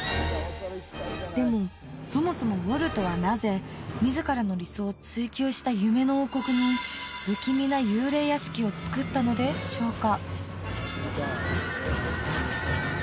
でもそもそもウォルトはなぜ自らの理想を追求した夢の王国に不気味な幽霊屋敷をつくったのでしょうか？